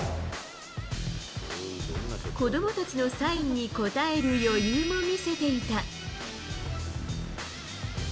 子どもたちのサインに応える余裕も見せていた。